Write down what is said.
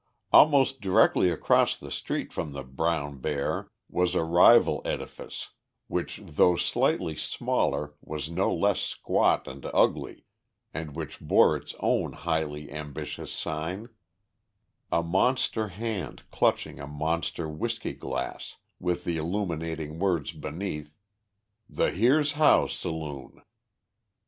Almost directly across the street from the Brown Bear was a rival edifice which though slightly smaller was no less squat and ugly and which bore its own highly ambitious sign: a monster hand clutching a monster whiskey glass, with the illuminating words beneath, "The Here's How Saloon."